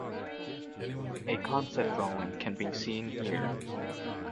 A concept drawing can be seen here.